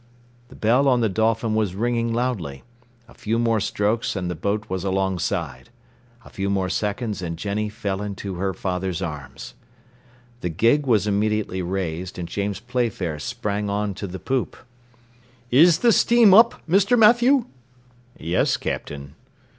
The bell on the Dolphin was ringing loudly. A few more strokes and the boat was alongside. A few more seconds and Jenny fell into her father's arms. The gig was immediately raised, and James Playfair sprang on to the poop. "Is the steam up, Mr. Mathew?" "Yes, Captain."